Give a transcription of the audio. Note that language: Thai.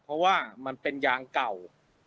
เพราะว่ามันเป็นยางเก่า